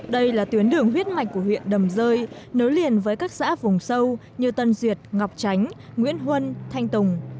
đây là tuyến đường huyết mạch của huyện đầm rơi nối liền với các xã vùng sâu như tân duyệt ngọc chánh nguyễn huân thanh tùng